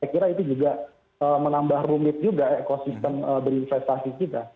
saya kira itu juga menambah rumit juga ekosistem berinvestasi kita